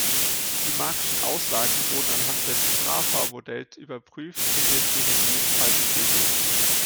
Die Marxschen Aussagen wurden anhand des Sraffa-Modells überprüft, indes nicht in jedem Falle bestätigt.